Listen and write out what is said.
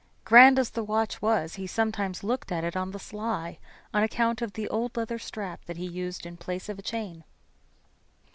Grand as the watch was, he sometimes looked at it on the sly on account of the old leather strap he used in place of a chain.